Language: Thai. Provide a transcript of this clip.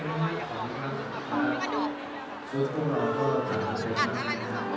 อันดับไหนค่ะ